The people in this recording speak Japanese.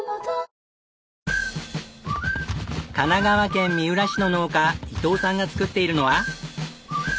神奈川県三浦市の農家伊藤さんが作っているのは。